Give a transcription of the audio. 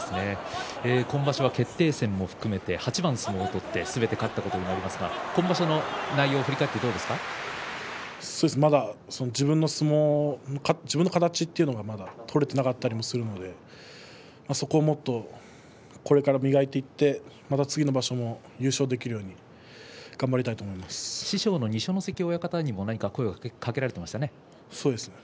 今場所は決定戦も含めて８番相撲を取ってすべて勝ったことになりますが今場所の内容を振り返ってそうですねまだ自分の相撲、自分の形というのが取れていなかったりするんでそこをもっとこれから磨いていってまた次の場所も優勝できるように師匠の二所ノ関親方にもそうですね。